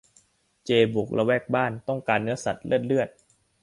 เจบุกละแวกบ้าน ต้องการเนื้อสัตว์ เลือด เลือด